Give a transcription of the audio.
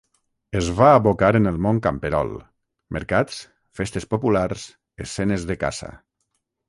Es va abocar en el món camperol: mercats, festes populars, escenes de caça.